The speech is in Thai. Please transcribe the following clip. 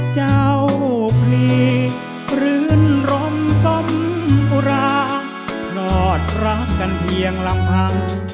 เจ้าเพลินฝรืนร่มสมอุราลอดรักกันเพียงรังผัง